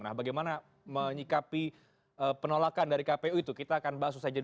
nah bagaimana menyikapi penolakan dari kpu itu kita akan bahas usai jeda